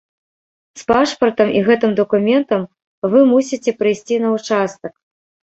З пашпартам і гэтым дакументам вы мусіце прыйсці на ўчастак.